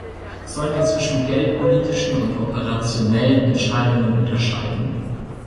Sollen wir zwischen geldpolitischen und operationellen Entscheidungen unterscheiden?